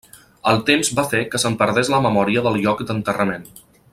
El temps va fer que se'n perdés la memòria del lloc d'enterrament.